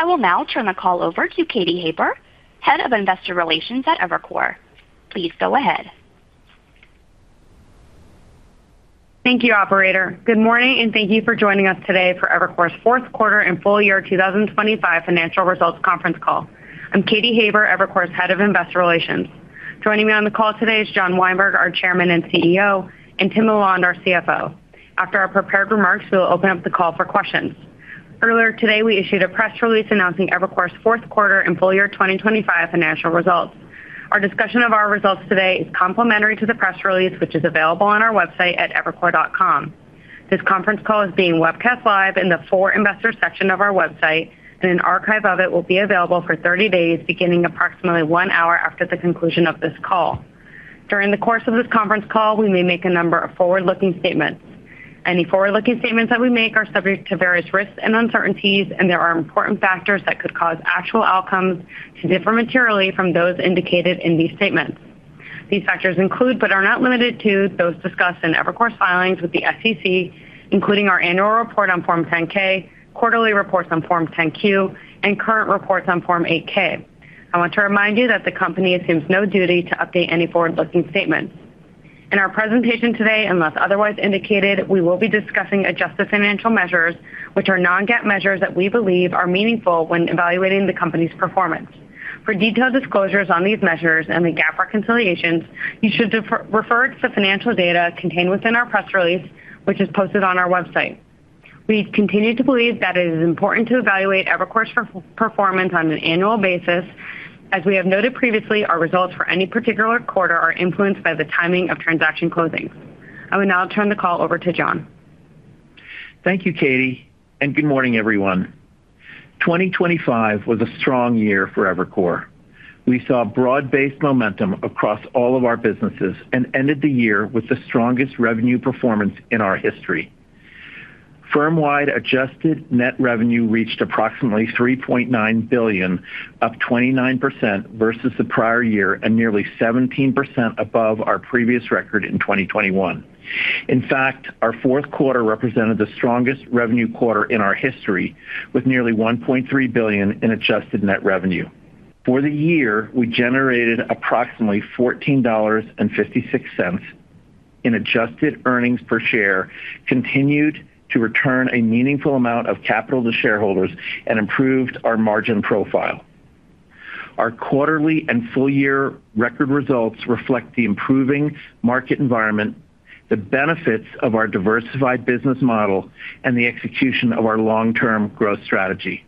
I will now turn the call over to Katy Haber, Head of Investor Relations at Evercore. Please go ahead. Thank you, Operator. Good morning, and thank you for joining us today for Evercore's fourth quarter and full-year 2025 financial results conference call. I'm Katy Haber, Evercore's Head of Investor Relations. Joining me on the call today is John Weinberg, our Chairman and CEO, and Tim LaLonde, our CFO. After our prepared remarks, we will open up the call for questions. Earlier today, we issued a press release announcing Evercore's fourth quarter and full-year 2025 financial results. Our discussion of our results today is complementary to the press release, which is available on our website at evercore.com. This conference call is being webcast live in the For Investors section of our website, and an archive of it will be available for 30 days, beginning approximately one hour after the conclusion of this call. During the course of this conference call, we may make a number of forward-looking statements. Any forward-looking statements that we make are subject to various risks and uncertainties, and there are important factors that could cause actual outcomes to differ materially from those indicated in these statements. These factors include but are not limited to those discussed in Evercore's filings with the SEC, including our annual report on Form 10-K, quarterly reports on Form 10-Q, and current reports on Form 8-K. I want to remind you that the company assumes no duty to update any forward-looking statements. In our presentation today, unless otherwise indicated, we will be discussing adjusted financial measures, which are non-GAAP measures that we believe are meaningful when evaluating the company's performance. For detailed disclosures on these measures and the GAAP reconciliations, you should refer to the financial data contained within our press release, which is posted on our website. We continue to believe that it is important to evaluate Evercore's performance on an annual basis. As we have noted previously, our results for any particular quarter are influenced by the timing of transaction closings. I will now turn the call over to John. Thank you, Katy, and good morning, everyone. 2025 was a strong year for Evercore. We saw broad-based momentum across all of our businesses and ended the year with the strongest revenue performance in our history. Firm-wide, adjusted net revenue reached approximately $3.9 billion, up 29% versus the prior year and nearly 17% above our previous record in 2021. In fact, our fourth quarter represented the strongest revenue quarter in our history, with nearly $1.3 billion in adjusted net revenue. For the year, we generated approximately $14.56 in adjusted earnings per share, continued to return a meaningful amount of capital to shareholders, and improved our margin profile. Our quarterly and full-year record results reflect the improving market environment, the benefits of our diversified business model, and the execution of our long-term growth strategy.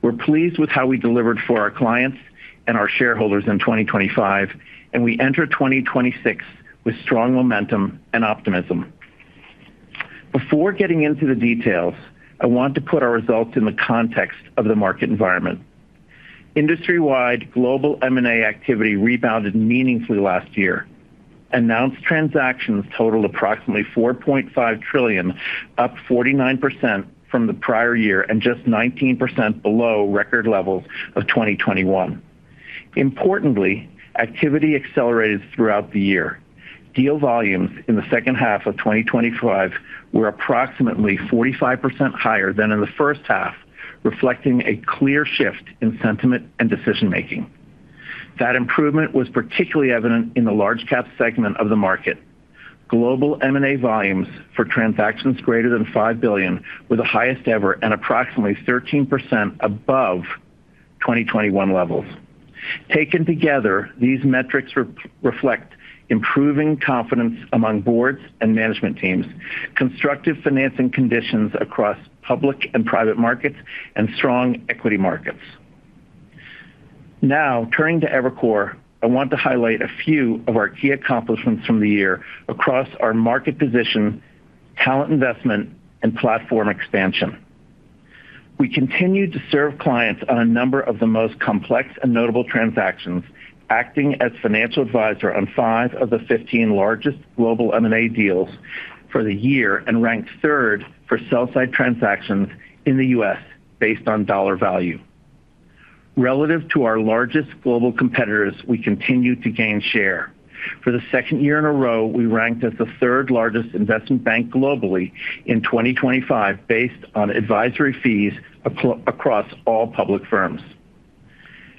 We're pleased with how we delivered for our clients and our shareholders in 2025, and we enter 2026 with strong momentum and optimism. Before getting into the details, I want to put our results in the context of the market environment. Industry-wide, global M&A activity rebounded meaningfully last year. Announced transactions totaled approximately $4.5 trillion, up 49% from the prior year and just 19% below record levels of 2021. Importantly, activity accelerated throughout the year. Deal volumes in the second half of 2025 were approximately 45% higher than in the first half, reflecting a clear shift in sentiment and decision-making. That improvement was particularly evident in the large-cap segment of the market. Global M&A volumes for transactions greater than $5 billion were the highest ever and approximately 13% above 2021 levels. Taken together, these metrics reflect improving confidence among boards and management teams, constructive financing conditions across public and private markets, and strong equity markets. Now, turning to Evercore, I want to highlight a few of our key accomplishments from the year across our market position, talent investment, and platform expansion. We continue to serve clients on a number of the most complex and notable transactions, acting as financial advisor on five of the 15 largest global M&A deals for the year and ranked third for sell-side transactions in the U.S. based on dollar value. Relative to our largest global competitors, we continue to gain share. For the second year in a row, we ranked as the third-largest investment bank globally in 2025 based on advisory fees across all public firms.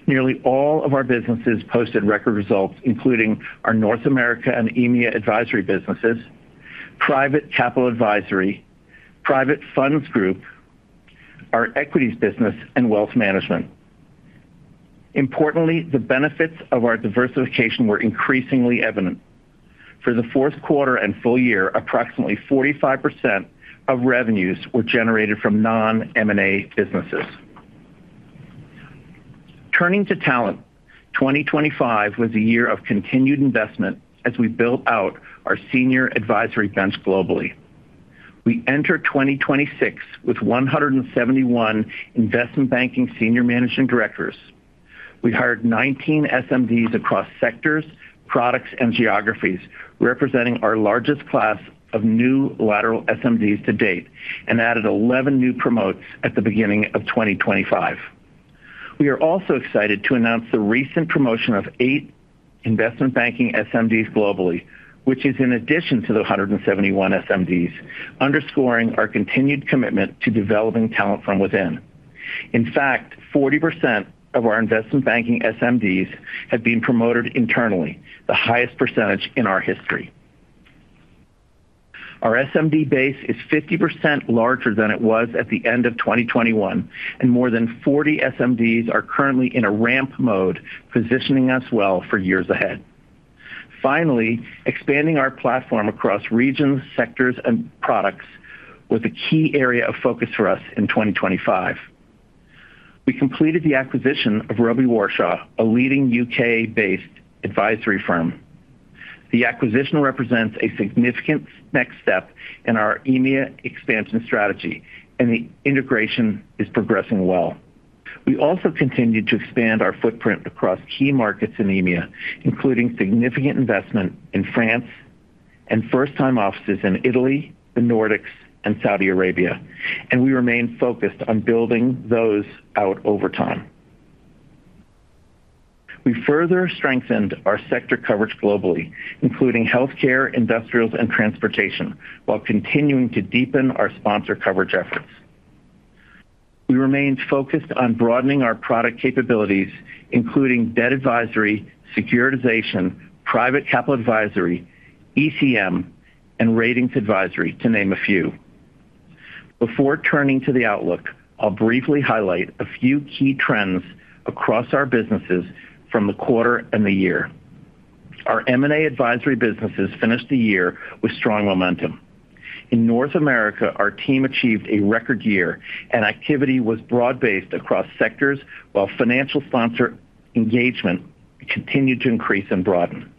Nearly all of our businesses posted record results, including our North America and EMEA advisory businesses, Private Capital Advisory, Private Funds Group, our Equities business, and Wealth Management. Importantly, the benefits of our diversification were increasingly evident. For the fourth quarter and full year, approximately 45% of revenues were generated from non-M&A businesses. Turning to talent, 2025 was a year of continued investment as we built out our senior advisory bench globally. We entered 2026 with 171 investment banking senior managing directors. We hired 19 SMDs across sectors, products, and geographies, representing our largest class of new lateral SMDs to date, and added 11 new promotes at the beginning of 2025. We are also excited to announce the recent promotion of eight investment banking SMDs globally, which is in addition to the 171 SMDs, underscoring our continued commitment to developing talent from within. In fact, 40% of our investment banking SMDs have been promoted internally, the highest percentage in our history. Our SMD base is 50% larger than it was at the end of 2021, and more than 40 SMDs are currently in a ramp mode, positioning us well for years ahead. Finally, expanding our platform across regions, sectors, and products was a key area of focus for us in 2025. We completed the acquisition of Robey Warshaw, a leading U.K.-based advisory firm. The acquisition represents a significant next step in our EMEA expansion strategy, and the integration is progressing well. We also continue to expand our footprint across key markets in EMEA, including significant investment in France and first-time offices in Italy, the Nordics, and Saudi Arabia. We remain focused on building those out over time. We further strengthened our sector coverage globally, including healthcare, industrials, and transportation, while continuing to deepen our sponsor coverage efforts. We remained focused on broadening our product capabilities, including debt advisory, securitization, private capital advisory, ECM, and ratings advisory, to name a few. Before turning to the outlook, I'll briefly highlight a few key trends across our businesses from the quarter and the year. Our M&A advisory businesses finished the year with strong momentum. In North America, our team achieved a record year, and activity was broad-based across sectors while financial sponsor engagement continued to increase and broaden.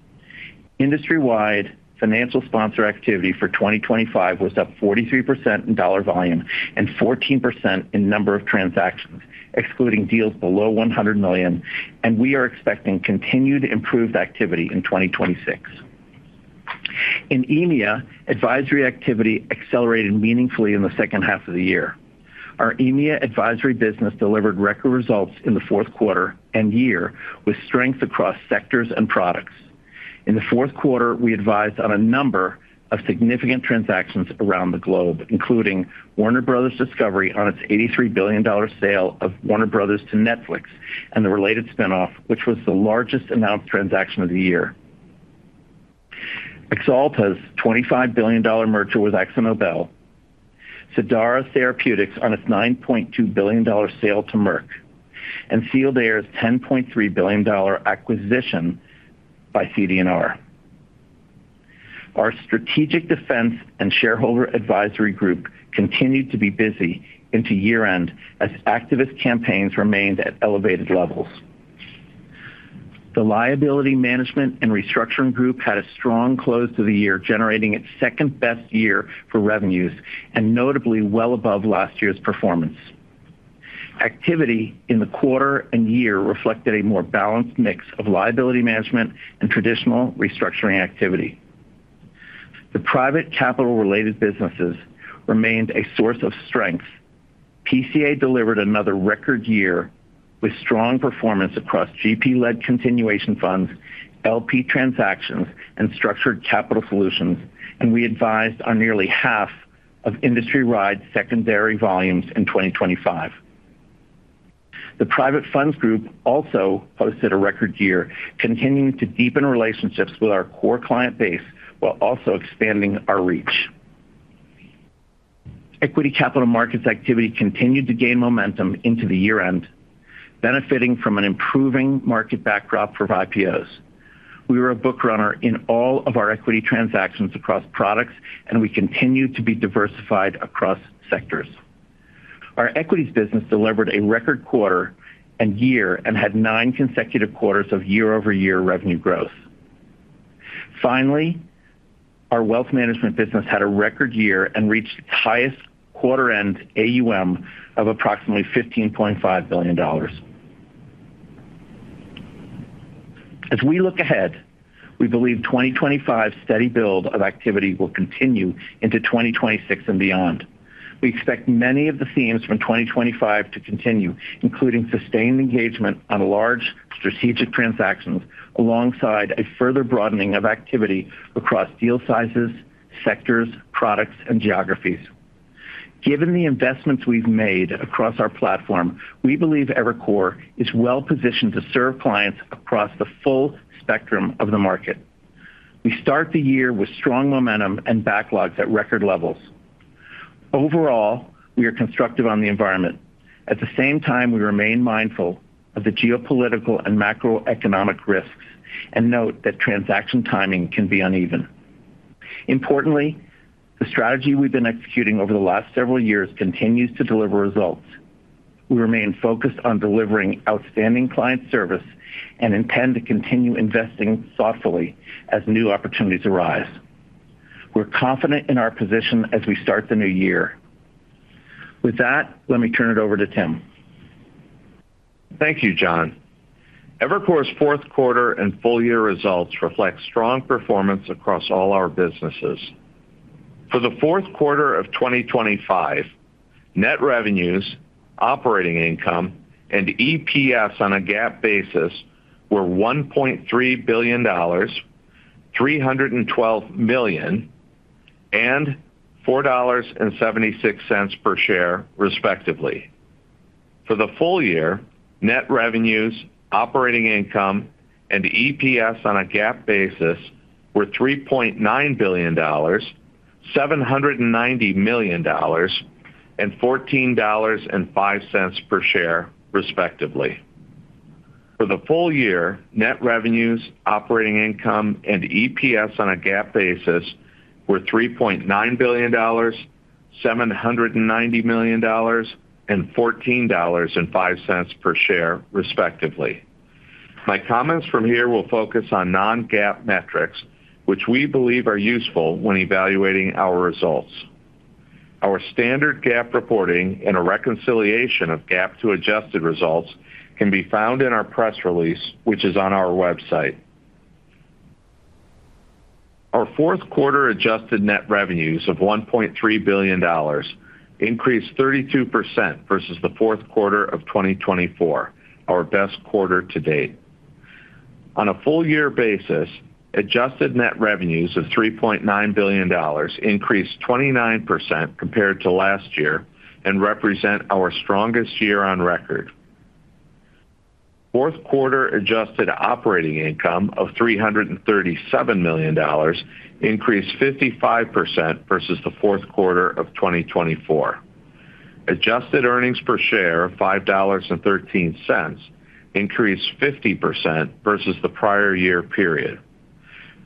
Industry-wide, financial sponsor activity for 2025 was up 43% in dollar volume and 14% in number of transactions, excluding deals below $100 million, and we are expecting continued improved activity in 2026. In EMEA, advisory activity accelerated meaningfully in the second half of the year. Our EMEA advisory business delivered record results in the fourth quarter and year with strength across sectors and products. In the fourth quarter, we advised on a number of significant transactions around the globe, including Warner Bros Discovery on its $83 billion sale of Warner Bros to Netflix and the related spinoff, which was the largest announced transaction of the year, Axalta's $25 billion merger with ExxonMobil, Cidara Therapeutics on its $9.2 billion sale to Merck, and Sealed Air's $10.3 billion acquisition by CD&R. Our Strategic Defense and Shareholder Advisory Group continued to be busy into year-end as activist campaigns remained at elevated levels. The Liability Management and Restructuring Group had a strong close to the year, generating its second-best year for revenues and notably well above last year's performance. Activity in the quarter and year reflected a more balanced mix of liability management and traditional restructuring activity. The Private Capital-related businesses remained a source of strength. PCA delivered another record year with strong performance across GP-led continuation funds, LP transactions, and structured capital solutions, and we advised on nearly half of industry-wide secondary volumes in 2025. The Private Funds Group also posted a record year, continuing to deepen relationships with our core client base while also expanding our reach. Equity Capital Markets activity continued to gain momentum into the year-end, benefiting from an improving market backdrop for IPOs. We were a book runner in all of our equity transactions across products, and we continue to be diversified across sectors. Our Equities business delivered a record quarter and year and had nine consecutive quarters of year-over-year revenue growth. Finally, our Wealth Management business had a record year and reached its highest quarter-end AUM of approximately $15.5 billion. As we look ahead, we believe 2025's steady build of activity will continue into 2026 and beyond. We expect many of the themes from 2025 to continue, including sustained engagement on large strategic transactions alongside a further broadening of activity across deal sizes, sectors, products, and geographies. Given the investments we've made across our platform, we believe Evercore is well-positioned to serve clients across the full spectrum of the market. We start the year with strong momentum and backlogs at record levels. Overall, we are constructive on the environment. At the same time, we remain mindful of the geopolitical and macroeconomic risks and note that transaction timing can be uneven. Importantly, the strategy we've been executing over the last several years continues to deliver results. We remain focused on delivering outstanding client service and intend to continue investing thoughtfully as new opportunities arise. We're confident in our position as we start the new year. With that, let me turn it over to Tim. Thank you, John. Evercore's fourth quarter and full-year results reflect strong performance across all our businesses. For the fourth quarter of 2025, net revenues, operating income, and EPS on a GAAP basis were $1.3 billion, $312 million, and $4.76 per share, respectively. For the full year, net revenues, operating income, and EPS on a GAAP basis were $3.9 billion, $790 million, and $14.05 per share, respectively. For the full year, net revenues, operating income, and EPS on a GAAP basis were $3.9 billion, $790 million, and $14.05 per share, respectively. My comments from here will focus on non-GAAP metrics, which we believe are useful when evaluating our results. Our standard GAAP reporting and a reconciliation of GAAP-to-adjusted results can be found in our press release, which is on our website. Our fourth quarter adjusted net revenues of $1.3 billion increased 32% versus the fourth quarter of 2024, our best quarter to date. On a full-year basis, adjusted net revenues of $3.9 billion increased 29% compared to last year and represent our strongest year on record. Fourth quarter adjusted operating income of $337 million increased 55% versus the fourth quarter of 2024. Adjusted earnings per share of $5.13 increased 50% versus the prior year period.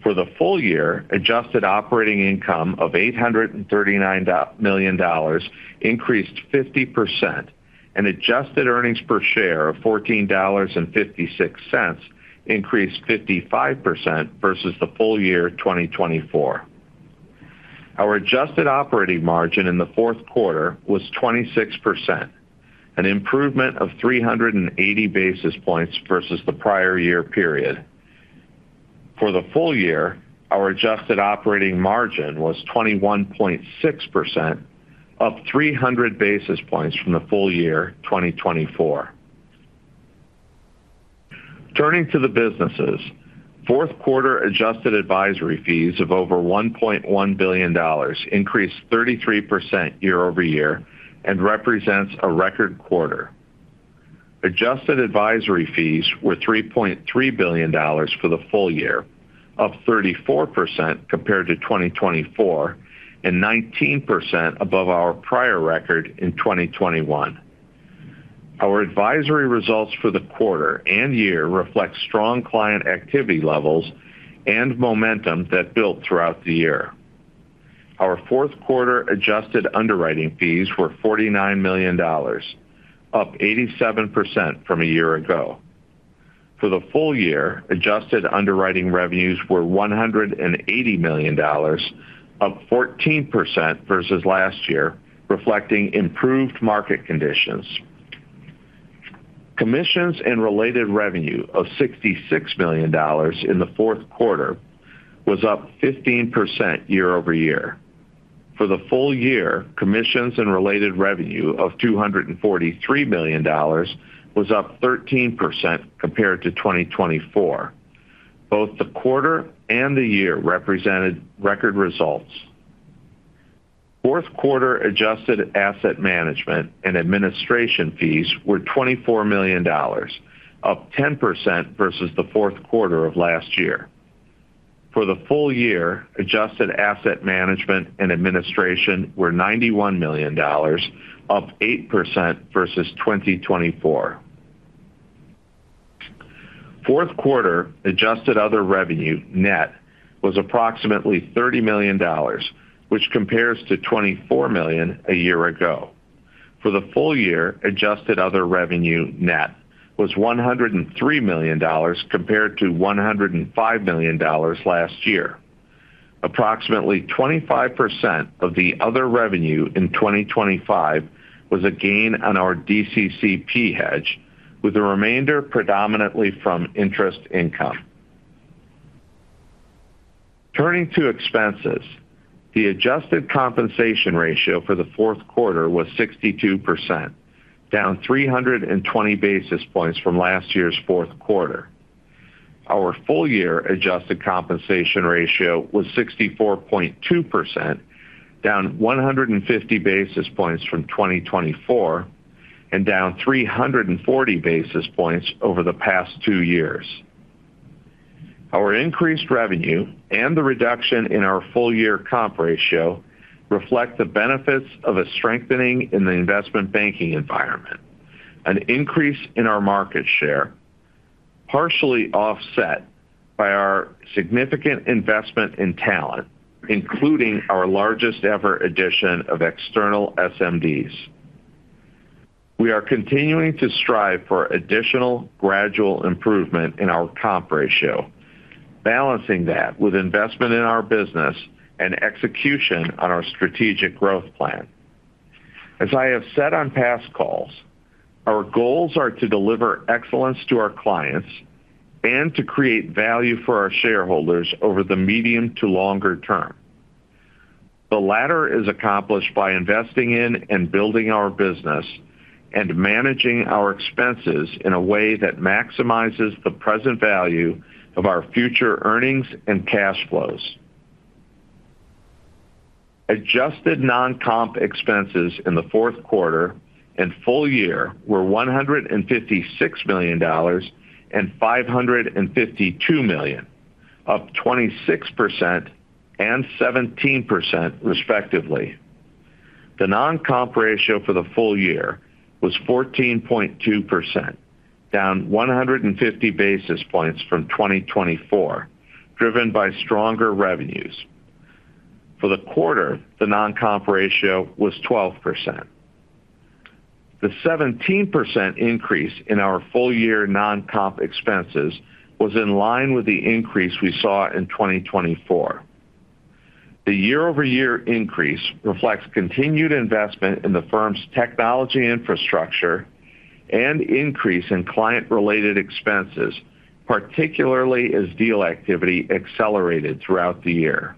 For the full year, adjusted operating income of $839 million increased 50%, and adjusted earnings per share of $14.56 increased 55% versus the full year 2024. Our adjusted operating margin in the fourth quarter was 26%, an improvement of 380 basis points versus the prior year period. For the full year, our adjusted operating margin was 21.6%, up 300 basis points from the full-year 2024. Turning to the businesses, fourth quarter adjusted advisory fees of over $1.1 billion increased 33% year-over-year and represents a record quarter. Adjusted advisory fees were $3.3 billion for the full year, up 34% compared to 2024 and 19% above our prior record in 2021. Our advisory results for the quarter and year reflect strong client activity levels and momentum that built throughout the year. Our fourth quarter adjusted underwriting fees were $49 million, up 87% from a year ago. For the full year, adjusted underwriting revenues were $180 million, up 14% versus last year, reflecting improved market conditions. Commissions and related revenue of $66 million in the fourth quarter was up 15% year-over-year. For the full year, commissions and related revenue of $243 million was up 13% compared to 2024. Both the quarter and the year represented record results. Fourth quarter adjusted asset management and administration fees were $24 million, up 10% versus the fourth quarter of last year. For the full year, adjusted asset management and administration were $91 million, up 8% versus 2024. Fourth quarter adjusted other revenue, net, was approximately $30 million, which compares to $24 million a year ago. For the full year, adjusted other revenue, net, was $103 million compared to $105 million last year. Approximately 25% of the other revenue in 2025 was a gain on our DCCP hedge, with the remainder predominantly from interest income. Turning to expenses, the adjusted compensation ratio for the fourth quarter was 62%, down 320 basis points from last year's fourth quarter. Our full-year adjusted compensation ratio was 64.2%, down 150 basis points from 2024 and down 340 basis points over the past two years. Our increased revenue and the reduction in our full-year comp ratio reflect the benefits of a strengthening in the investment banking environment, an increase in our market share, partially offset by our significant investment in talent, including our largest-ever addition of external SMDs. We are continuing to strive for additional gradual improvement in our comp ratio, balancing that with investment in our business and execution on our strategic growth plan. As I have said on past calls, our goals are to deliver excellence to our clients and to create value for our shareholders over the medium to longer term. The latter is accomplished by investing in and building our business and managing our expenses in a way that maximizes the present value of our future earnings and cash flows. Adjusted non-comp expenses in the fourth quarter and full year were $156 million and $552 million, up 26% and 17%, respectively. The non-comp ratio for the full year was 14.2%, down 150 basis points from 2024, driven by stronger revenues. For the quarter, the non-comp ratio was 12%. The 17% increase in our full-year non-comp expenses was in line with the increase we saw in 2024. The year-over-year increase reflects continued investment in the firm's technology infrastructure and increase in client-related expenses, particularly as deal activity accelerated throughout the year.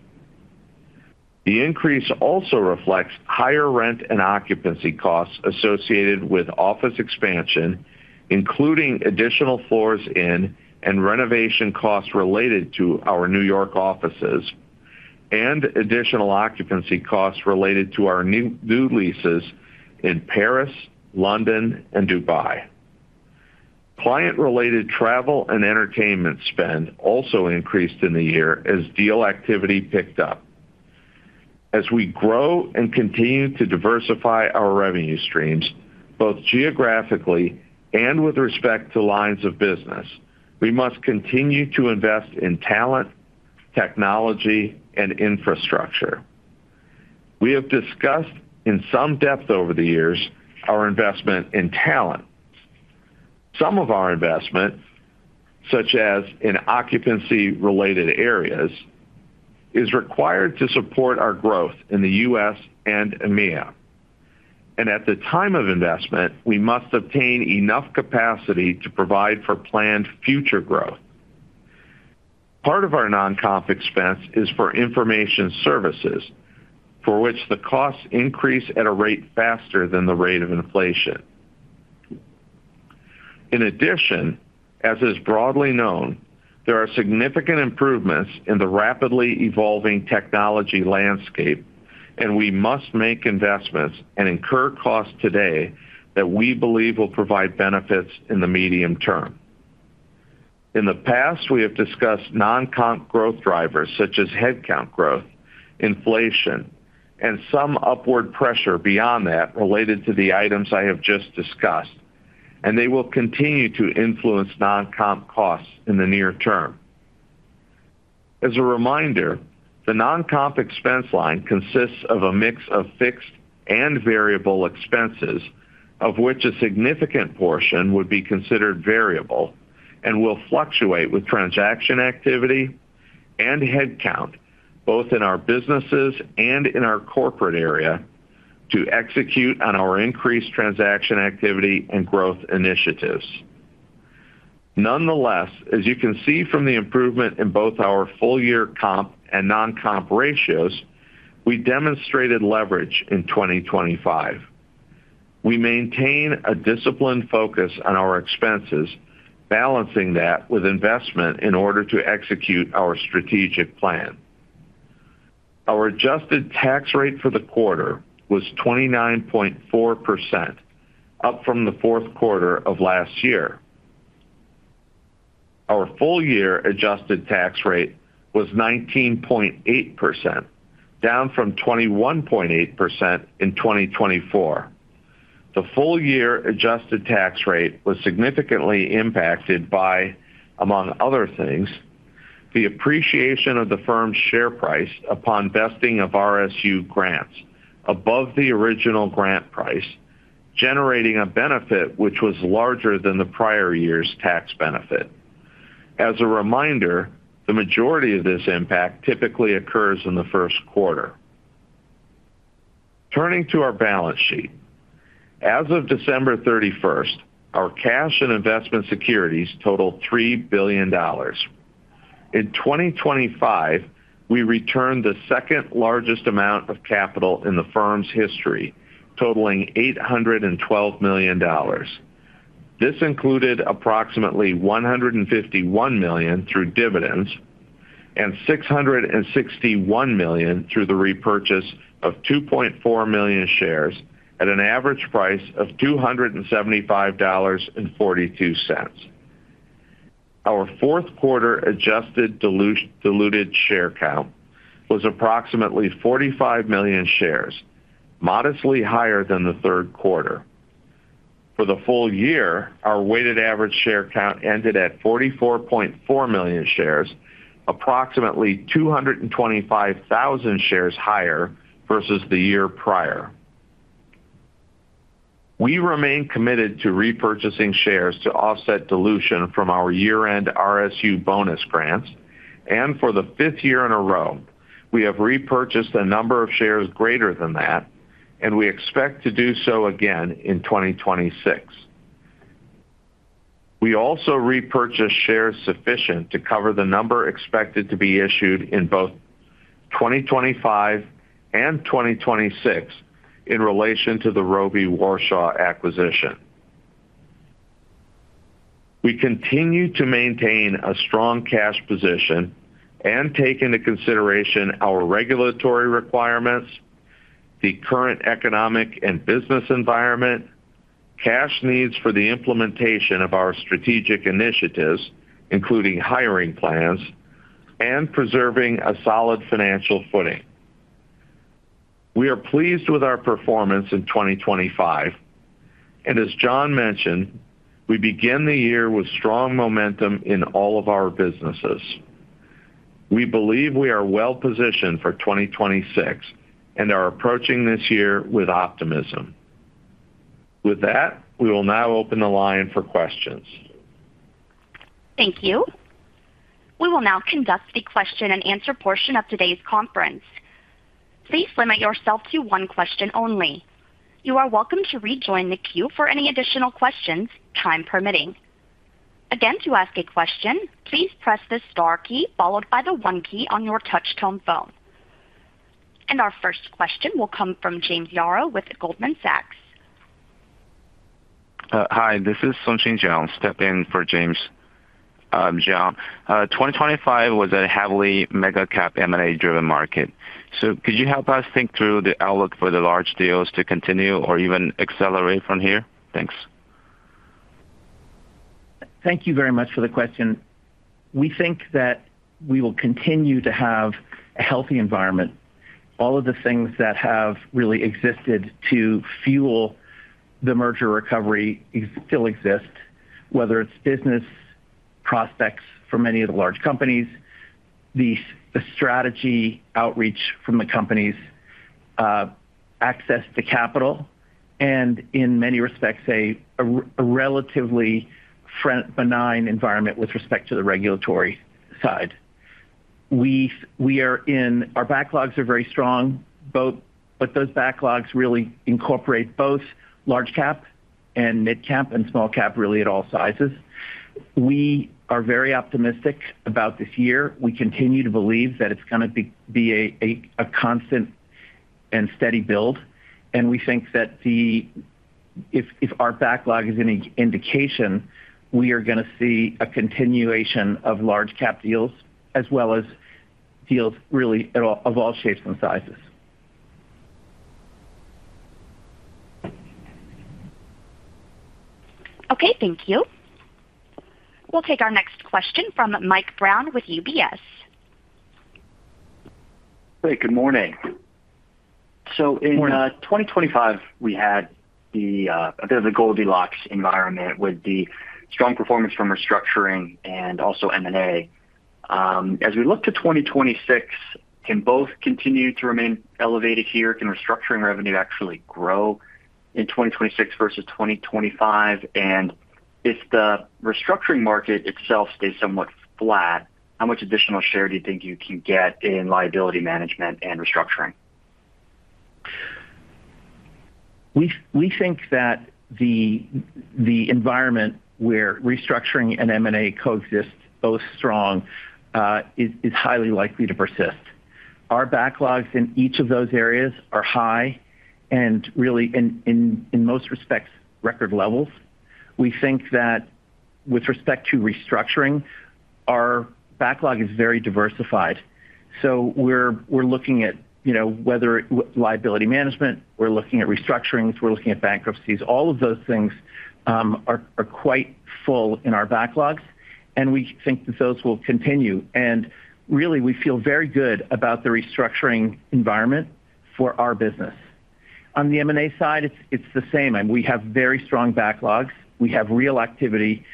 The increase also reflects higher rent and occupancy costs associated with office expansion, including additional floors in and renovation costs related to our New York offices, and additional occupancy costs related to our new leases in Paris, London, and Dubai. Client-related travel and entertainment spend also increased in the year as deal activity picked up. As we grow and continue to diversify our revenue streams, both geographically and with respect to lines of business, we must continue to invest in talent, technology, and infrastructure. We have discussed in some depth over the years our investment in talent. Some of our investment, such as in occupancy-related areas, is required to support our growth in the U.S. and EMEA. At the time of investment, we must obtain enough capacity to provide for planned future growth. Part of our non-comp expense is for information services, for which the costs increase at a rate faster than the rate of inflation. In addition, as is broadly known, there are significant improvements in the rapidly evolving technology landscape, and we must make investments and incur costs today that we believe will provide benefits in the medium term. In the past, we have discussed non-comp growth drivers such as headcount growth, inflation, and some upward pressure beyond that related to the items I have just discussed, and they will continue to influence non-comp costs in the near term. As a reminder, the non-comp expense line consists of a mix of fixed and variable expenses, of which a significant portion would be considered variable and will fluctuate with transaction activity and headcount, both in our businesses and in our corporate area, to execute on our increased transaction activity and growth initiatives. Nonetheless, as you can see from the improvement in both our full year comp and non-comp ratios, we demonstrated leverage in 2025. We maintain a disciplined focus on our expenses, balancing that with investment in order to execute our strategic plan. Our adjusted tax rate for the quarter was 29.4%, up from the fourth quarter of last year. Our full-year adjusted tax rate was 19.8%, down from 21.8% in 2024. The full-year adjusted tax rate was significantly impacted by, among other things, the appreciation of the firm's share price upon vesting of RSU grants above the original grant price, generating a benefit which was larger than the prior year's tax benefit. As a reminder, the majority of this impact typically occurs in the first quarter. Turning to our balance sheet. As of December 31st, our cash and investment securities totaled $3 billion. In 2025, we returned the second largest amount of capital in the firm's history, totaling $812 million. This included approximately $151 million through dividends and $661 million through the repurchase of 2.4 million shares at an average price of $275.42. Our fourth quarter adjusted diluted share count was approximately 45 million shares, modestly higher than the third quarter. For the full year, our weighted average share count ended at 44.4 million shares, approximately 225,000 shares higher versus the year prior. We remain committed to repurchasing shares to offset dilution from our year-end RSU bonus grants, and for the fifth year in a row, we have repurchased a number of shares greater than that, and we expect to do so again in 2026. We also repurchased shares sufficient to cover the number expected to be issued in both 2025 and 2026 in relation to the Robey Warshaw acquisition. We continue to maintain a strong cash position and take into consideration our regulatory requirements, the current economic and business environment, cash needs for the implementation of our strategic initiatives, including hiring plans, and preserving a solid financial footing. We are pleased with our performance in 2025, and as John mentioned, we begin the year with strong momentum in all of our businesses. We believe we are well positioned for 2026 and are approaching this year with optimism. With that, we will now open the line for questions. Thank you. We will now conduct the question-and-answer portion of today's conference. Please limit yourself to one question only. You are welcome to rejoin the queue for any additional questions, time permitting. Again, to ask a question, please press the star key followed by the one key on your touchtone phone. Our first question will come from James Yaro with Goldman Sachs. Hi, this is [Sunshine] Jones stepping in for James Yaro. 2025 was a heavily mega-cap M&A-driven market. So could you help us think through the outlook for the large deals to continue or even accelerate from here? Thanks. Thank you very much for the question. We think that we will continue to have a healthy environment. All of the things that have really existed to fuel the merger recovery still exist, whether it's business prospects for many of the large companies, the strategy outreach from the companies, access to capital, and in many respects, a relatively benign environment with respect to the regulatory side. Our backlogs are very strong, but those backlogs really incorporate both large-cap and mid-cap and small-cap, really at all sizes. We are very optimistic about this year. We continue to believe that it's going to be a constant and steady build, and we think that if our backlog is an indication, we are going to see a continuation of large-cap deals as well as deals really of all shapes and sizes. Okay, thank you. We'll take our next question from Mike Brown with UBS. Hey, good morning. So in 2025, we had a bit of the Goldilocks environment with the strong performance from restructuring and also M&A. As we look to 2026, can both continue to remain elevated here? Can restructuring revenue actually grow in 2026 versus 2025? And if the restructuring market itself stays somewhat flat, how much additional share do you think you can get in liability management and restructuring? We think that the environment where restructuring and M&A coexist, both strong, is highly likely to persist. Our backlogs in each of those areas are high and really, in most respects, record levels. We think that with respect to restructuring, our backlog is very diversified. So we're looking at whether it's liability management, we're looking at restructurings, we're looking at bankruptcies. All of those things are quite full in our backlogs, and we think that those will continue. And really, we feel very good about the restructuring environment for our business. On the M&A side, it's the same. We have very strong backlogs. We have real activity.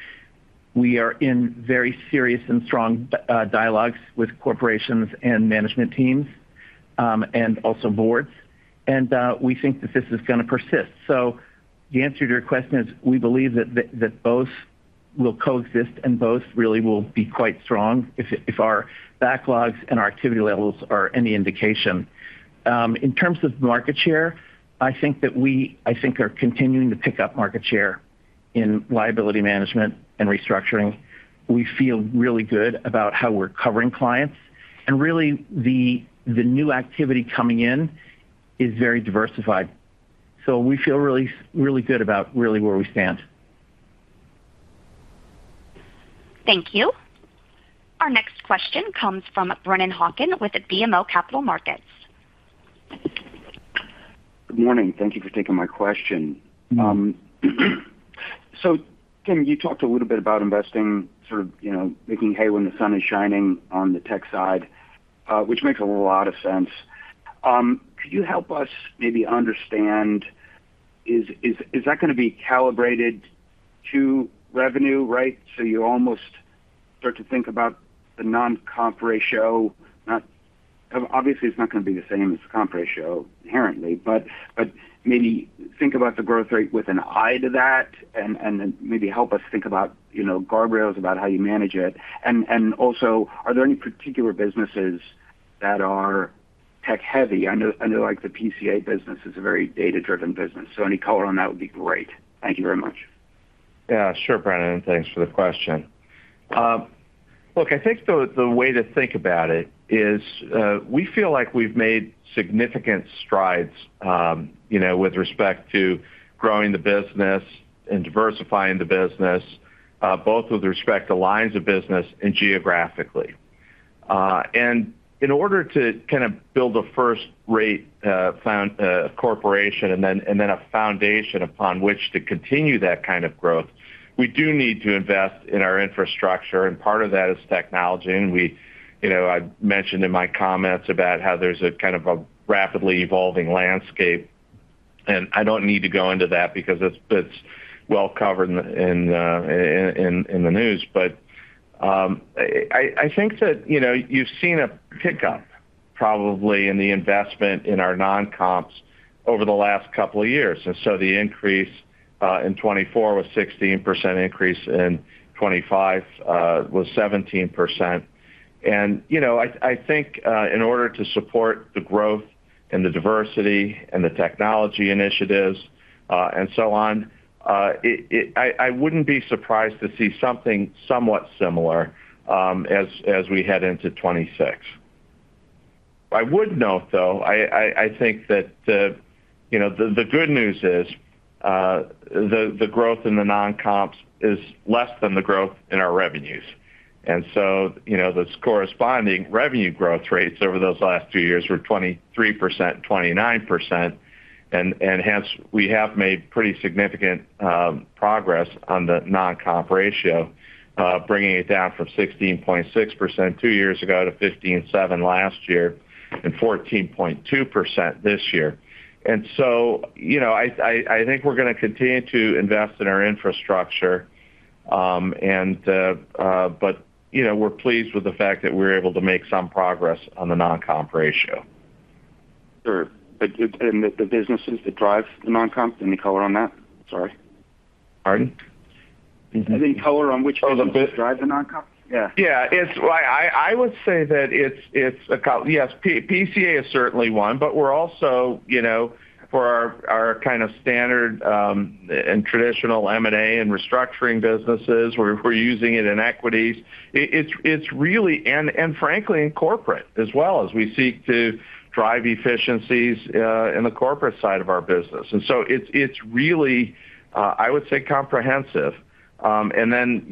We are in very serious and strong dialogues with corporations and management teams and also boards. And we think that this is going to persist. So, the answer to your question is, we believe that both will coexist and both really will be quite strong if our backlogs and our activity levels are any indication. In terms of market share, I think that we are continuing to pick up market share in liability management and restructuring. We feel really good about how we're covering clients. And really, the new activity coming in is very diversified. So we feel really good about really where we stand. Thank you. Our next question comes from Brennan Hawken with BMO Capital Markets. Good morning. Thank you for taking my question. So Tim, you talked a little bit about investing, sort of making hay when the sun is shining on the tech side, which makes a lot of sense. Could you help us maybe understand, is that going to be calibrated to revenue, right? So you almost start to think about the non-comp ratio. Obviously, it's not going to be the same as the comp ratio, inherently, but maybe think about the growth rate with an eye to that and maybe help us think about guardrails about how you manage it. And also, are there any particular businesses that are tech-heavy? I know the PCA business is a very data-driven business. So any color on that would be great. Thank you very much. Yeah. Sure, Brennan. Thanks for the question. Look, I think the way to think about it is we feel like we've made significant strides with respect to growing the business and diversifying the business, both with respect to lines of business and geographically. And in order to kind of build a first-rate corporation and then a foundation upon which to continue that kind of growth, we do need to invest in our infrastructure. And part of that is technology. And I mentioned in my comments about how there's a kind of a rapidly evolving landscape. And I don't need to go into that because it's well covered in the news. But I think that you've seen a pickup, probably, in the investment in our non-comps over the last couple of years. And so the increase in 2024 was 16%, increase in 2025 was 17%. I think in order to support the growth and the diversity and the technology initiatives and so on, I wouldn't be surprised to see something somewhat similar as we head into 2026. I would note, though, I think that the good news is the growth in the non-comps is less than the growth in our revenues. So the corresponding revenue growth rates over those last two years were 23%, 29%. Hence, we have made pretty significant progress on the non-comp ratio, bringing it down from 16.6% two years ago to 15.7% last year and 14.2% this year. So I think we're going to continue to invest in our infrastructure, but we're pleased with the fact that we're able to make some progress on the non-comp ratio. Sure. The businesses that drive the non-comps, any color on that? Sorry. Pardon? Any color on which businesses drive the non-comps? Yeah. Yeah. I would say that it's, yes, PCA is certainly one, but we're also, for our kind of standard and traditional M&A and restructuring businesses, using it in Equities. And frankly, in corporate as well as we seek to drive efficiencies in the corporate side of our business. And so it's really, I would say, comprehensive. And then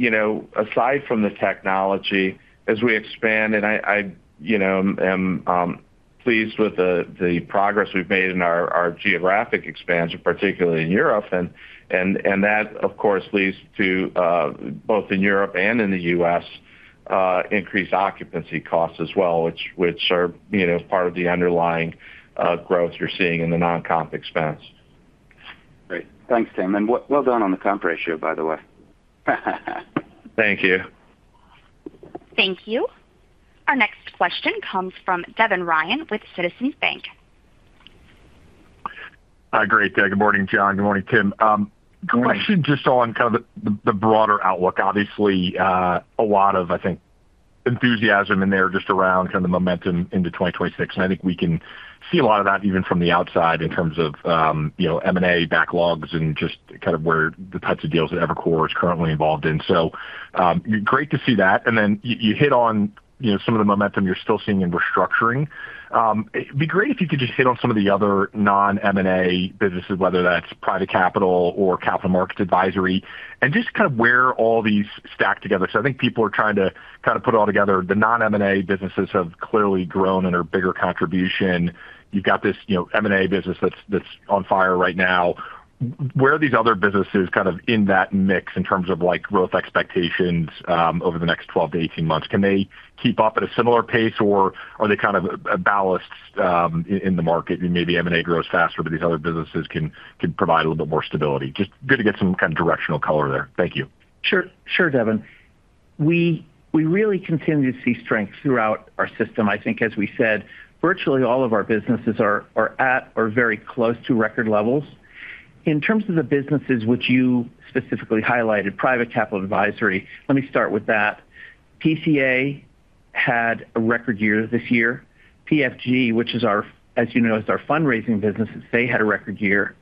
aside from the technology, as we expand, and I am pleased with the progress we've made in our geographic expansion, particularly in Europe. And that, of course, leads to both in Europe and in the U.S. increased occupancy costs as well, which are part of the underlying growth you're seeing in the non-comp expense. Great. Thanks, Tim. And well done on the comp ratio, by the way. Thank you. Thank you. Our next question comes from Devin Ryan with Citizens Bank. Great. Good morning, John. Good morning, Tim. Question just on kind of the broader outlook. Obviously, a lot of, I think, enthusiasm in there just around kind of the momentum into 2026. And I think we can see a lot of that even from the outside in terms of M&A backlogs and just kind of the types of deals that Evercore is currently involved in. So great to see that. And then you hit on some of the momentum you're still seeing in restructuring. It'd be great if you could just hit on some of the other non-M&A businesses, whether that's Private Capital or Capital Markets Advisory, and just kind of where all these stack together. So I think people are trying to kind of put it all together. The non-M&A businesses have clearly grown in their bigger contribution. You've got this M&A business that's on fire right now. Where are these other businesses kind of in that mix in terms of growth expectations over the next 12-18 months? Can they keep up at a similar pace, or are they kind of ballasts in the market? Maybe M&A grows faster, but these other businesses can provide a little bit more stability. Just good to get some kind of directional color there. Thank you. Sure, Devin. We really continue to see strength throughout our system. I think, as we said, virtually all of our businesses are at or very close to record levels. In terms of the businesses which you specifically highlighted, Private Capital Advisory, let me start with that. PCA had a record year this year. PFG, which is, as you know, is our fundraising business, they had a record year.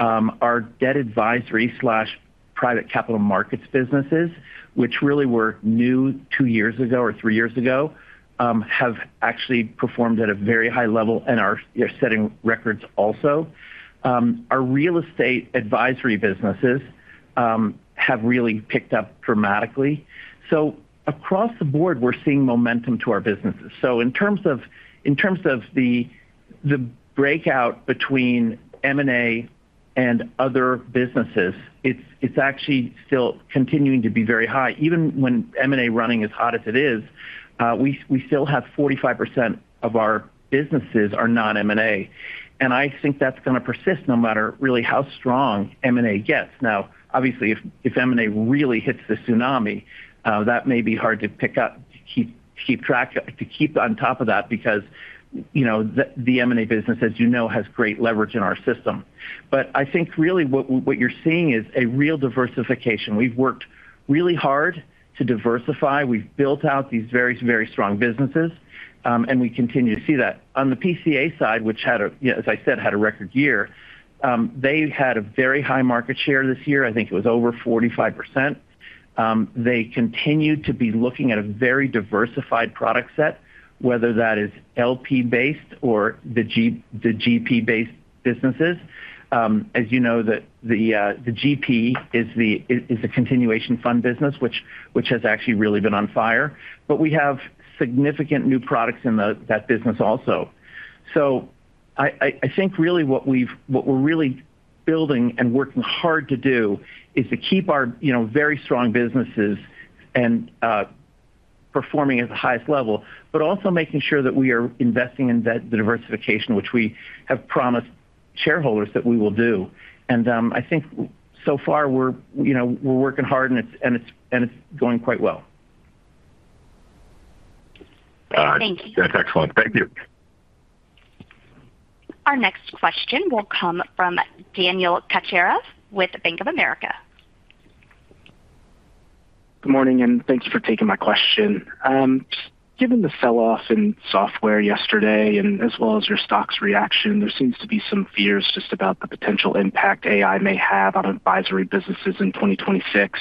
Our Debt Advisory/Private Capital Markets businesses, which really were new two years ago or three years ago, have actually performed at a very high level and are setting records also. Our real estate advisory businesses have really picked up dramatically. So across the board, we're seeing momentum to our businesses. So in terms of the breakout between M&A and other businesses, it's actually still continuing to be very high. Even when M&A running as hot as it is, we still have 45% of our businesses are non-M&A. And I think that's going to persist no matter really how strong M&A gets. Now, obviously, if M&A really hits the tsunami, that may be hard to pick up, to keep track, to keep on top of that because the M&A business, as you know, has great leverage in our system. But I think really what you're seeing is a real diversification. We've worked really hard to diversify. We've built out these very, very strong businesses, and we continue to see that. On the PCA side, which, as I said, had a record year, they had a very high market share this year. I think it was over 45%. They continue to be looking at a very diversified product set, whether that is LP-based or the GP-based businesses. As you know, the GP is the continuation fund business, which has actually really been on fire. But we have significant new products in that business also. So I think really what we're really building and working hard to do is to keep our very strong businesses performing at the highest level, but also making sure that we are investing in the diversification, which we have promised shareholders that we will do. And I think so far, we're working hard, and it's going quite well. Thank you. That's excellent. Thank you. Our next question will come from Daniel Cocchiara with Bank of America. Good morning, and thanks for taking my question. Given the selloff in software yesterday and as well as your stocks reaction, there seems to be some fears just about the potential impact AI may have on advisory businesses in 2026.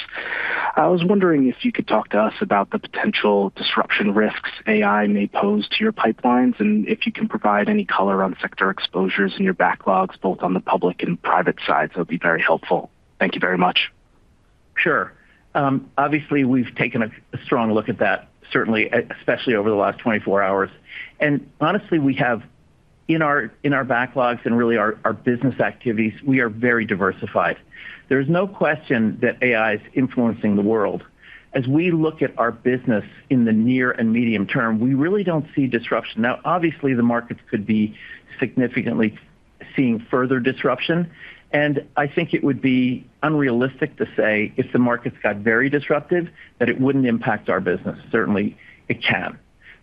I was wondering if you could talk to us about the potential disruption risks AI may pose to your pipelines and if you can provide any color on sector exposures in your backlogs, both on the public and private sides. That would be very helpful. Thank you very much. Sure. Obviously, we've taken a strong look at that, certainly, especially over the last 24 hours. And honestly, in our backlogs and really our business activities, we are very diversified. There's no question that AI is influencing the world. As we look at our business in the near and medium term, we really don't see disruption. Now, obviously, the markets could be significantly seeing further disruption. And I think it would be unrealistic to say if the markets got very disruptive that it wouldn't impact our business. Certainly, it can.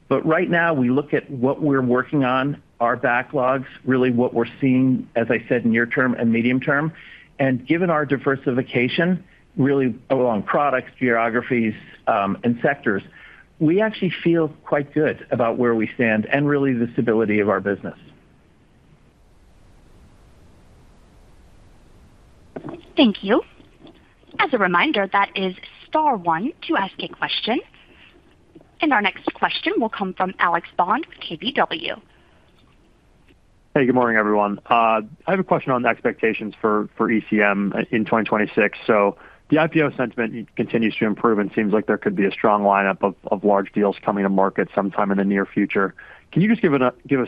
But right now, we look at what we're working on, our backlogs, really what we're seeing, as I said, near-term and medium-term. And given our diversification, really along products, geographies, and sectors, we actually feel quite good about where we stand and really the stability of our business. Thank you. As a reminder, that is star one to ask a question. And our next question will come from Alex Bond with KBW. Hey, good morning, everyone. I have a question on the expectations for ECM in 2026. So the IPO sentiment continues to improve, and it seems like there could be a strong lineup of large deals coming to market sometime in the near future. Can you just give us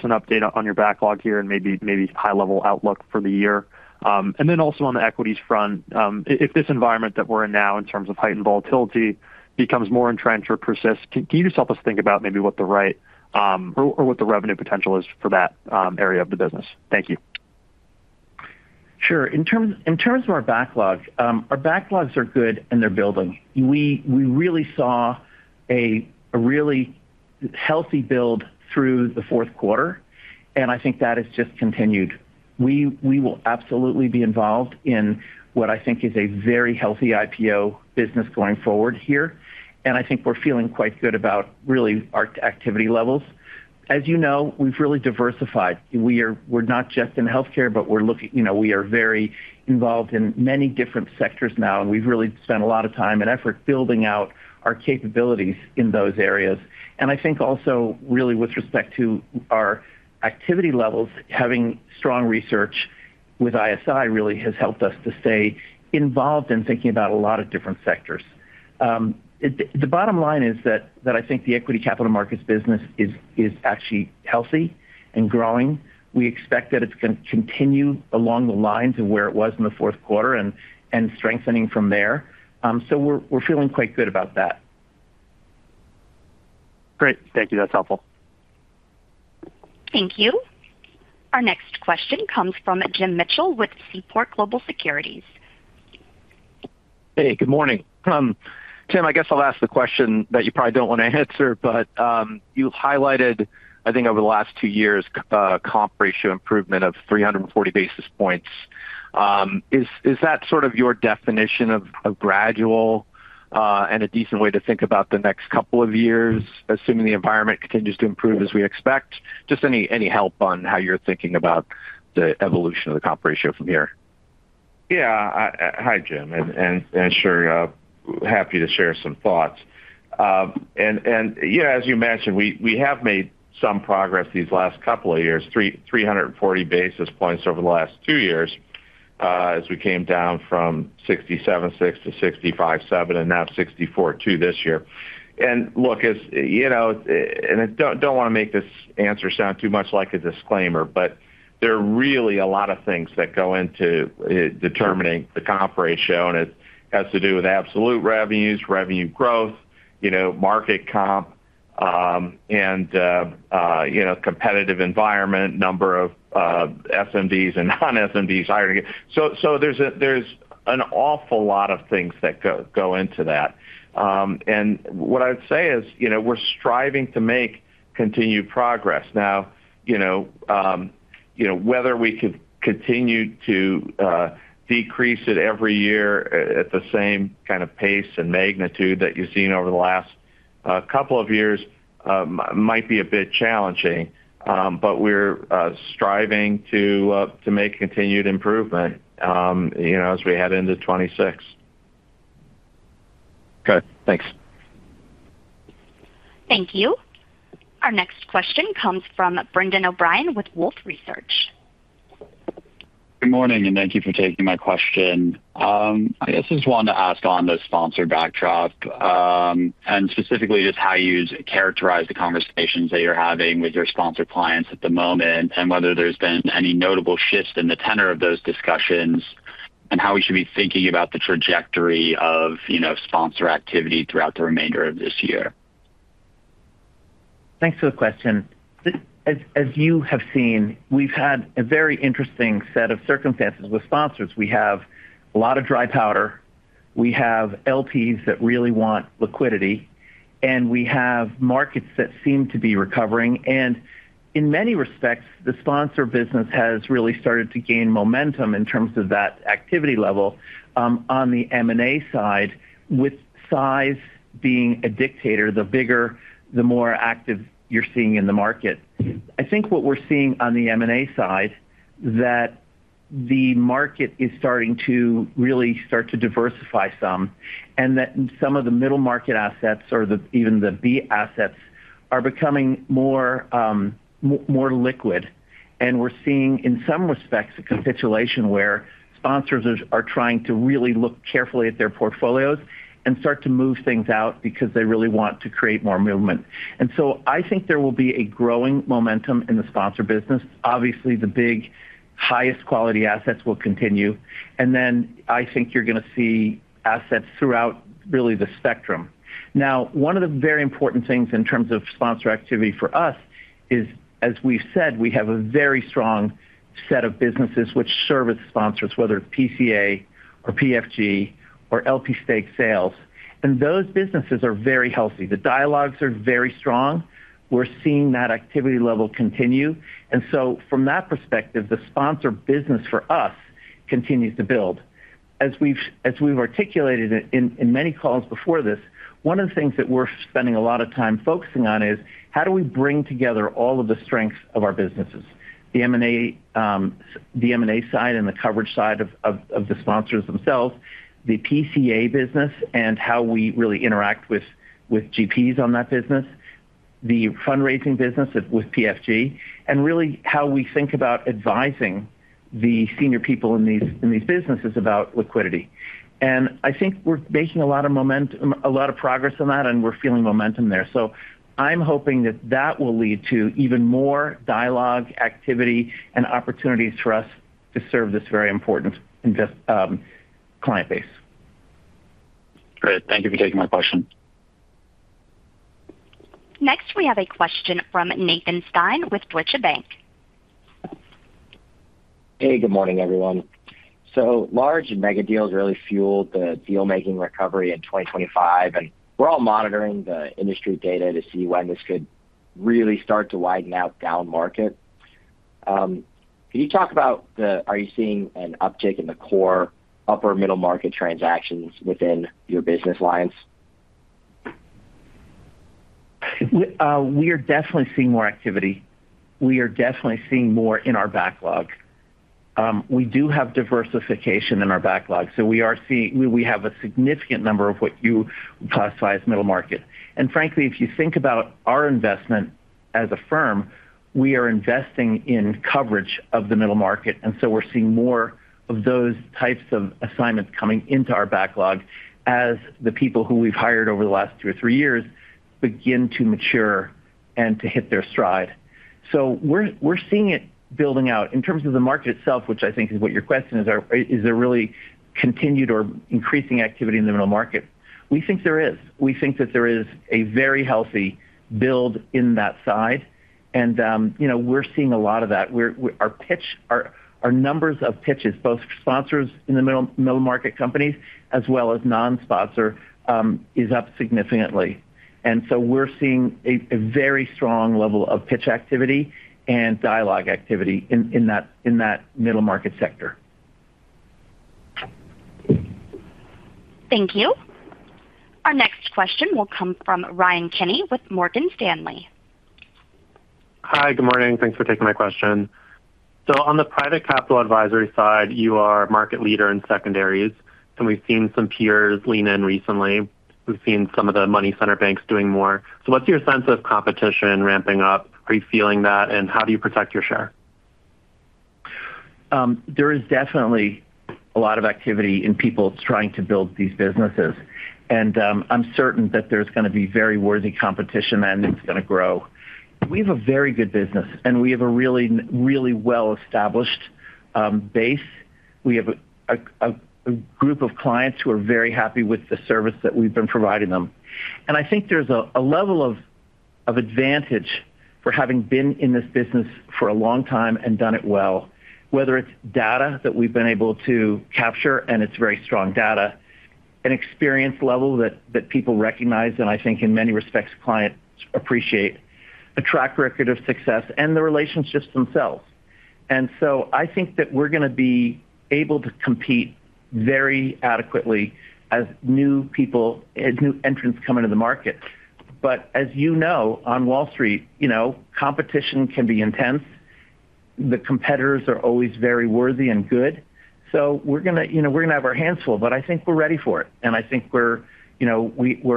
an update on your backlog here and maybe high-level outlook for the year? And then also on the Equities front, if this environment that we're in now in terms of height and volatility becomes more entrenched or persists, can you just help us think about maybe what the right or what the revenue potential is for that area of the business? Thank you. Sure. In terms of our backlog, our backlogs are good, and they're building. We really saw a really healthy build through the fourth quarter, and I think that has just continued. We will absolutely be involved in what I think is a very healthy IPO business going forward here. And I think we're feeling quite good about really our activity levels. As you know, we've really diversified. We're not just in healthcare, but we are very involved in many different sectors now, and we've really spent a lot of time and effort building out our capabilities in those areas. And I think also, really with respect to our activity levels, having strong research with ISI really has helped us to stay involved in thinking about a lot of different sectors. The bottom line is that I think the Equity Capital Markets business is actually healthy and growing. We expect that it's going to continue along the lines of where it was in the fourth quarter and strengthening from there. We're feeling quite good about that. Great. Thank you. That's helpful. Thank you. Our next question comes from Jim Mitchell with Seaport Global Securities. Hey, good morning. Tim, I guess I'll ask the question that you probably don't want to answer, but you highlighted, I think, over the last two years, comp ratio improvement of 340 basis points. Is that sort of your definition of gradual and a decent way to think about the next couple of years, assuming the environment continues to improve as we expect? Just any help on how you're thinking about the evolution of the comp ratio from here? Yeah. Hi, Jim. Sure, happy to share some thoughts. Yeah, as you mentioned, we have made some progress these last couple of years, 340 basis points over the last two years as we came down from 67.6% to 65.7% and now 64.2% this year. Look, as you know and I don't want to make this answer sound too much like a disclaimer, but there are really a lot of things that go into determining the comp ratio, and it has to do with absolute revenues, revenue growth, market comp, and competitive environment, number of SMDs and non-SMDs hiring again. So there's an awful lot of things that go into that. What I would say is we're striving to make continued progress. Now, whether we could continue to decrease it every year at the same kind of pace and magnitude that you've seen over the last couple of years might be a bit challenging, but we're striving to make continued improvement as we head into 2026. Good. Thanks. Thank you. Our next question comes from Brendan O'Brien with Wolfe Research. Good morning, and thank you for taking my question. I guess I just wanted to ask on the sponsor backdrop and specifically just how you'd characterize the conversations that you're having with your sponsor clients at the moment and whether there's been any notable shifts in the tenor of those discussions and how we should be thinking about the trajectory of sponsor activity throughout the remainder of this year. Thanks for the question. As you have seen, we've had a very interesting set of circumstances with sponsors. We have a lot of dry powder. We have LPs that really want liquidity. And we have markets that seem to be recovering. And in many respects, the sponsor business has really started to gain momentum in terms of that activity level on the M&A side, with size being a dictator. The bigger, the more active you're seeing in the market. I think what we're seeing on the M&A side, that the market is starting to really start to diversify some and that some of the middle market assets or even the B assets are becoming more liquid. And we're seeing, in some respects, a capitulation where sponsors are trying to really look carefully at their portfolios and start to move things out because they really want to create more movement. And so I think there will be a growing momentum in the sponsor business. Obviously, the big, highest quality assets will continue. And then I think you're going to see assets throughout really the spectrum. Now, one of the very important things in terms of sponsor activity for us is, as we've said, we have a very strong set of businesses which service sponsors, whether it's PCA or PFG or LP stake sales. And those businesses are very healthy. The dialogues are very strong. We're seeing that activity level continue. And so from that perspective, the sponsor business for us continues to build. As we've articulated in many calls before this, one of the things that we're spending a lot of time focusing on is how do we bring together all of the strengths of our businesses: the M&A side and the coverage side of the sponsors themselves, the PCA business and how we really interact with GPs on that business, the fundraising business with PFG, and really how we think about advising the senior people in these businesses about liquidity. I think we're making a lot of progress on that, and we're feeling momentum there. I'm hoping that that will lead to even more dialogue, activity, and opportunities for us to serve this very important client base. Great. Thank you for taking my question. Next, we have a question from Nathan Stein with Deutsche Bank. Hey, good morning, everyone. So large and mega deals really fueled the dealmaking recovery in 2025, and we're all monitoring the industry data to see when this could really start to widen out down market. Can you talk about the are you seeing an uptick in the core upper-middle market transactions within your business lines? We are definitely seeing more activity. We are definitely seeing more in our backlog. We do have diversification in our backlog, so we have a significant number of what you classify as middle market. Frankly, if you think about our investment as a firm, we are investing in coverage of the middle market. So we're seeing more of those types of assignments coming into our backlog as the people who we've hired over the last two or three years begin to mature and to hit their stride. So we're seeing it building out. In terms of the market itself, which I think is what your question is, is there really continued or increasing activity in the middle market? We think there is. We think that there is a very healthy build in that side, and we're seeing a lot of that. Our numbers of pitches, both sponsors in the middle market companies as well as non-sponsor, is up significantly. And so we're seeing a very strong level of pitch activity and dialogue activity in that middle market sector. Thank you. Our next question will come from Ryan Kenney with Morgan Stanley. Hi, good morning. Thanks for taking my question. On the Private Capital Advisory side, you are market leader in secondaries, and we've seen some peers lean in recently. We've seen some of the money center banks doing more. What's your sense of competition ramping up? Are you feeling that, and how do you protect your share? There is definitely a lot of activity in people trying to build these businesses, and I'm certain that there's going to be very worthy competition, and it's going to grow. We have a very good business, and we have a really well-established base. We have a group of clients who are very happy with the service that we've been providing them. And I think there's a level of advantage for having been in this business for a long time and done it well, whether it's data that we've been able to capture, and it's very strong data, an experience level that people recognize and, I think, in many respects, clients appreciate, a track record of success, and the relationships themselves. And so I think that we're going to be able to compete very adequately as new people, as new entrants come into the market. As you know, on Wall Street, competition can be intense. The competitors are always very worthy and good. We're going to have our hands full, but I think we're ready for it, and I think we're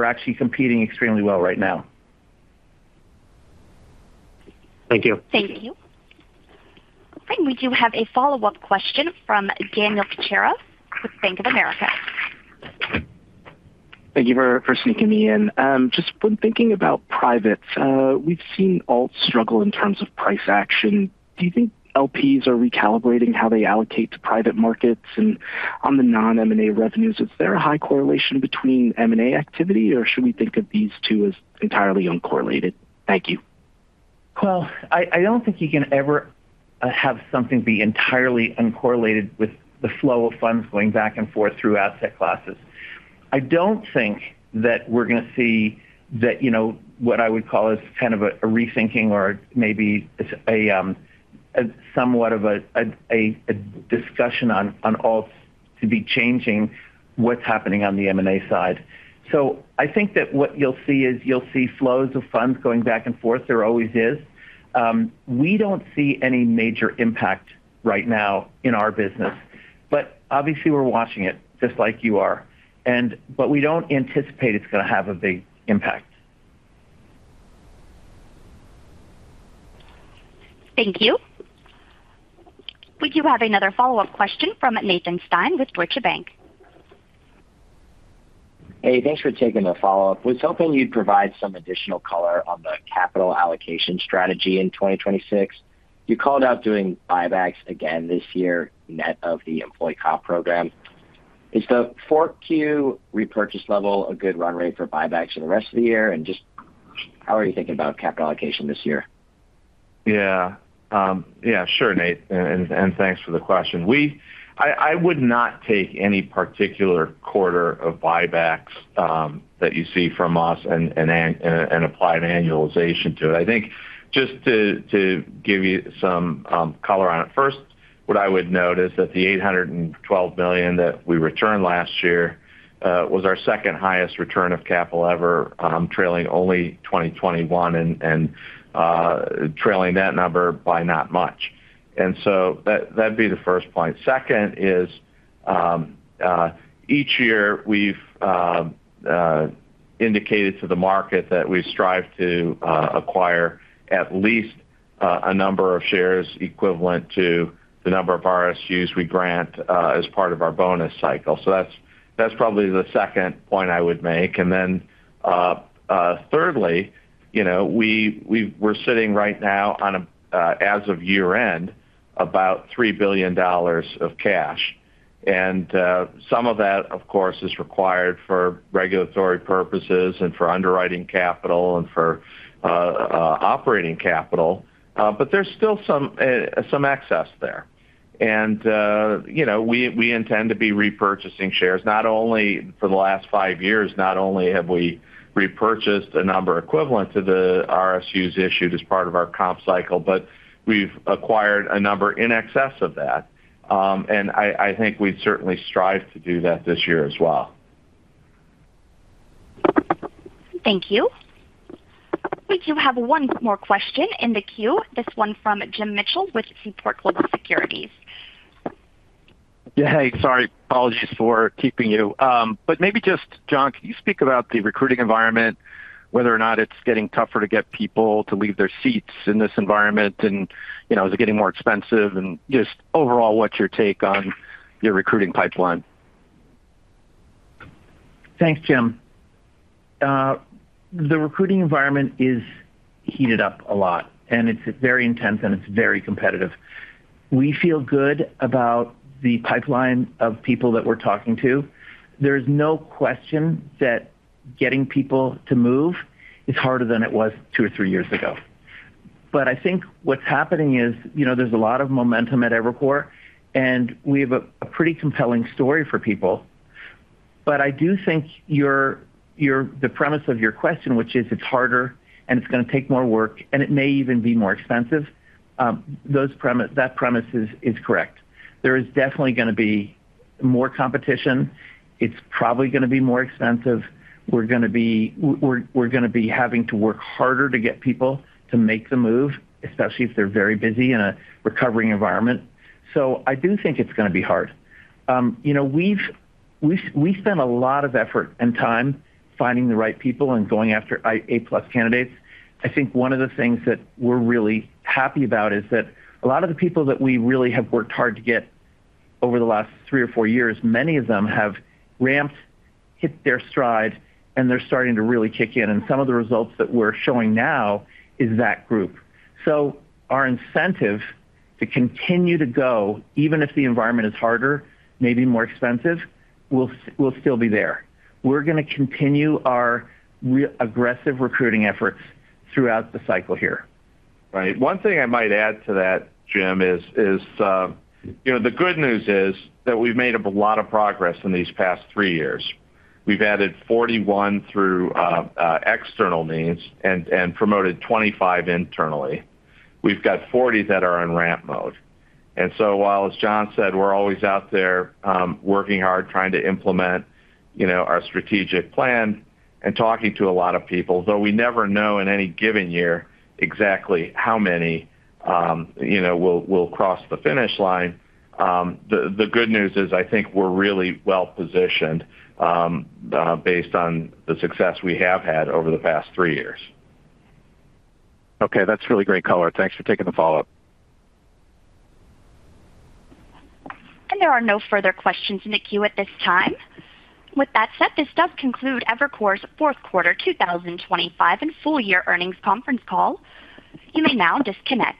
actually competing extremely well right now. Thank you. Thank you. Great. We do have a follow-up question from Daniel Cocchiara with Bank of America. Thank you for sneaking me in. Just when thinking about privates, we've seen alts struggle in terms of price action. Do you think LPs are recalibrating how they allocate to private markets? And on the non-M&A revenues, is there a high correlation between M&A activity, or should we think of these two as entirely uncorrelated? Thank you. Well, I don't think you can ever have something be entirely uncorrelated with the flow of funds going back and forth through asset classes. I don't think that we're going to see what I would call as kind of a rethinking or maybe somewhat of a discussion on alts to be changing what's happening on the M&A side. So I think that what you'll see is you'll see flows of funds going back and forth. There always is. We don't see any major impact right now in our business, but obviously, we're watching it just like you are. But we don't anticipate it's going to have a big impact. Thank you. We do have another follow-up question from Nathan Stein with Deutsche Bank. Hey, thanks for taking the follow-up. Was hoping you'd provide some additional color on the capital allocation strategy in 2026. You called out doing buybacks again this year net of the employee comp program. Is the 4Q repurchase level a good run rate for buybacks in the rest of the year? And just how are you thinking about capital allocation this year? Yeah. Yeah, sure, Nate. And thanks for the question. I would not take any particular quarter of buybacks that you see from us and apply an annualization to it. I think just to give you some color on it, first, what I would note is that the $812 million that we returned last year was our second highest return of capital ever, trailing only 2021 and trailing that number by not much. And so that'd be the first point. Second is each year, we've indicated to the market that we strive to acquire at least a number of shares equivalent to the number of RSUs we grant as part of our bonus cycle. So that's probably the second point I would make. And then thirdly, we're sitting right now on, as of year-end, about $3 billion of cash. Some of that, of course, is required for regulatory purposes and for underwriting capital and for operating capital, but there's still some excess there. We intend to be repurchasing shares. For the last five years, not only have we repurchased a number equivalent to the RSUs issued as part of our comp cycle, but we've acquired a number in excess of that. I think we'd certainly strive to do that this year as well. Thank you. We do have one more question in the queue, this one from Jim Mitchell with Seaport Global Securities. Yeah, hey. Sorry. Apologies for keeping you. But maybe just, John, can you speak about the recruiting environment, whether or not it's getting tougher to get people to leave their seats in this environment, and is it getting more expensive, and just overall, what's your take on your recruiting pipeline? Thanks, Jim. The recruiting environment is heated up a lot, and it's very intense, and it's very competitive. We feel good about the pipeline of people that we're talking to. There's no question that getting people to move is harder than it was two or three years ago. But I think what's happening is there's a lot of momentum at Evercore, and we have a pretty compelling story for people. But I do think the premise of your question, which is it's harder and it's going to take more work and it may even be more expensive, that premise is correct. There is definitely going to be more competition. It's probably going to be more expensive. We're going to be having to work harder to get people to make the move, especially if they're very busy in a recovering environment. So I do think it's going to be hard. We've spent a lot of effort and time finding the right people and going after A+ candidates. I think one of the things that we're really happy about is that a lot of the people that we really have worked hard to get over the last three or four years, many of them have ramped, hit their stride, and they're starting to really kick in. And some of the results that we're showing now is that group. So our incentive to continue to go, even if the environment is harder, maybe more expensive, will still be there. We're going to continue our aggressive recruiting efforts throughout the cycle here. Right. One thing I might add to that, Jim, is the good news is that we've made a lot of progress in these past three years. We've added 41 through external needs and promoted 25 internally. We've got 40 that are in ramp mode. And so while, as John said, we're always out there working hard, trying to implement our strategic plan and talking to a lot of people, though we never know in any given year exactly how many will cross the finish line, the good news is I think we're really well positioned based on the success we have had over the past three years. Okay. That's really great color. Thanks for taking the follow-up. There are no further questions in the queue at this time. With that said, this does conclude Evercore's fourth quarter 2025 and full-year earnings conference call. You may now disconnect.